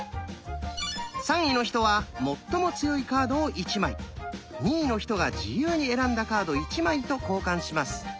３位の人は最も強いカードを１枚２位の人が自由に選んだカード１枚と交換します。